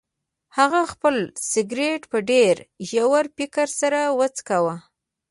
هغه خپل سګرټ په ډیر ژور فکر سره وڅکاوه.